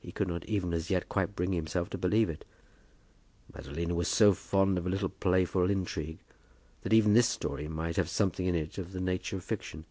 He could not even as yet quite bring himself to believe it. Madalina was so fond of a little playful intrigue, that even this story might have something in it of the nature of fiction.